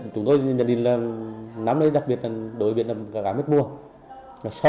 chúng tôi như gia đình năm nay đặc biệt đối với cá mít mua